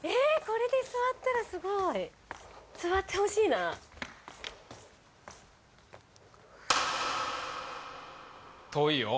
これで座ったらすごい座ってほしいな遠いよ